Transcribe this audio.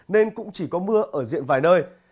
nên cũng chỉ có mưa ở diện vài nơi